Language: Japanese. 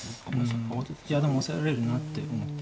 いやでもオサえられるなって思って。